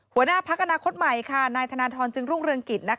หัวหน้าพักอนาคตใหม่นายธนทรจึงรุ่งเรืองกิจ